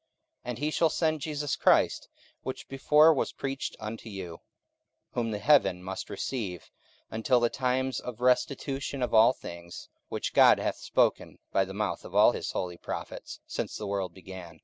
44:003:020 And he shall send Jesus Christ, which before was preached unto you: 44:003:021 Whom the heaven must receive until the times of restitution of all things, which God hath spoken by the mouth of all his holy prophets since the world began.